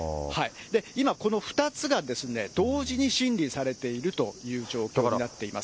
今、この２つが同時に審理されているという状況になっています。